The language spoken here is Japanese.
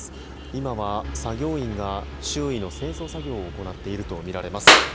今は作業員が周囲の清掃作業を行っているとみられます。